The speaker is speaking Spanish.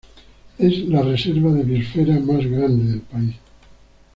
Es la reserva de biosfera más grande del país.